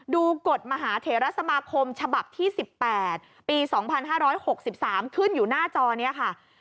กฎมหาเถระสมาคมฉบับที่๑๘ปี๒๕๖๓ขึ้นอยู่หน้าจอนี้ค่ะ